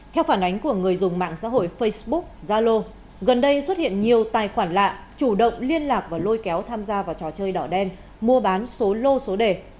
theo phản ánh của người dùng mạng xã hội facebook zalo gần đây xuất hiện nhiều tài khoản lạ chủ động liên lạc và lôi kéo tham gia vào trò chơi đỏ đen mua bán số lô số đề